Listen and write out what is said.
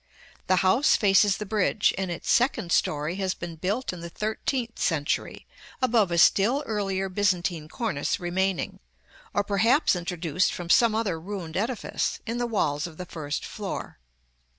The house faces the bridge, and its second story has been built in the thirteenth century, above a still earlier Byzantine cornice remaining, or perhaps introduced from some other ruined edifice, in the walls of the first floor.